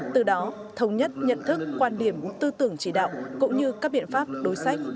từ đó thống nhất nhận thức quan điểm tư tưởng chỉ đạo cũng như các biện pháp đối sách